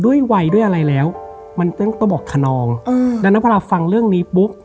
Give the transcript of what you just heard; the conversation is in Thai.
ด้วยวัยด้วยอะไรแล้วมันต้องต้องบอกขนองดังนั้นพอเราฟังเรื่องนี้ปุ๊บ